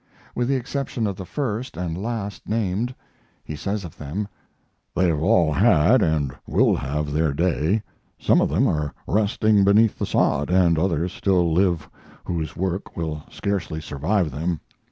With the exception of the first and last named he says of them: They have all had, or will have, their day. Some of them are resting beneath the sod, and others still live whose work will scarcely survive them.